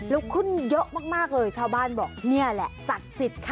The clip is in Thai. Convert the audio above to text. แล้วขึ้นเยอะมากเลยชาวบ้านบอกนี่แหละศักดิ์สิทธิ์ค่ะ